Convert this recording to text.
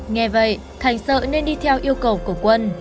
nghe vậy thành sợ nên đi theo yêu cầu của quân